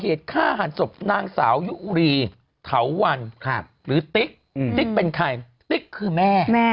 เหตุฆ่าหันศพนางสาวยุรีเถาวันหรือติ๊กติ๊กเป็นใครติ๊กคือแม่